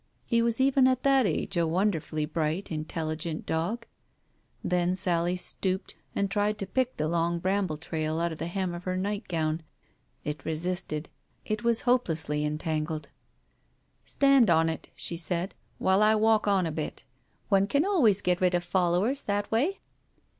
He was even at that age a wonderfully bright, intelligent dog. Then Sally stooped, and tried to pick the long bramble trail out of the hem of her nightgown. It resisted — it was hopelessly entangled. "Stand on it," she said, "while I walk on a bit. One can always get rid of followers that way."